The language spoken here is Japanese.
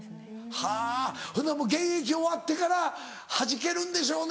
はぁほんなら現役終わってからはじけるんでしょうね。